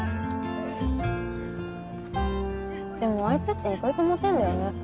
でもアイツって意外とモテんだよね。